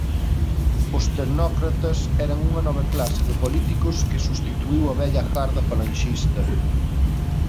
Os tecnócratas eran unha nova clase de políticos que substituíu a "vella garda" falanxista.